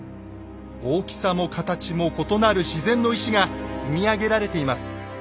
大きさも形も異なる自然の石が積み上げられています。